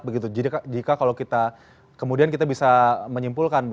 jadi jika kalau kita kemudian kita bisa menyimpulkan